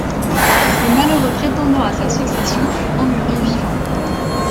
Le malheureux prétendant à sa succession fut emmuré vivant.